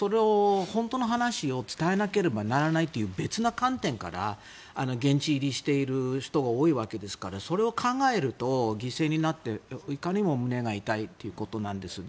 本当の話を伝えなければならないという別の観点から現地入りしている人が多いわけですからそれを考えると犠牲になっていかにも胸が痛いということなんです。